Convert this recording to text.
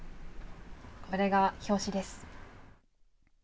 これが表紙です。